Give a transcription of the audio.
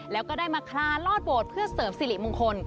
แล้วก็ได้มาคลานลอดโบสถเพื่อเสริมสิริมงคล